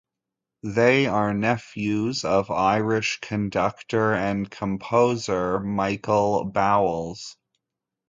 They are nephews of Irish conductor and composer Michael Bowles.